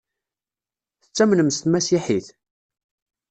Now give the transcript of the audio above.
Tettamnem s tmasiḥit?